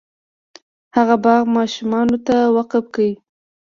هغه باغ ماشومانو ته وقف کړ.